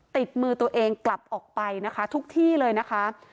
ติดมือตัวเองกลับออกไปนะคะทุกที่เลยนะคะ